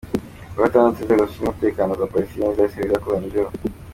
Ku wa gatandatu, inzego zishinzwe umutekano za Palestina n'iza Israheli zakozanyijeho.